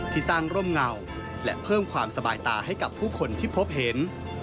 ที่สร้างร่มเงาและเพิ่มความสบายตาให้กับผู้คนที่พบเห็น